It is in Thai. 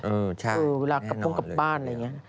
เออใช่แน่นอนเลยคือเวลากลับพรุ่งกลับบ้านอะไรอย่างเงี้ย